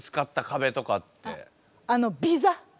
あのビザ。